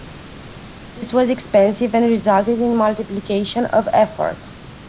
This was expensive and resulted in multiplication of effort.